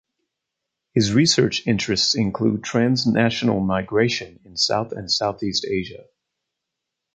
His research interests include transnational migration in South and Southeast Asia.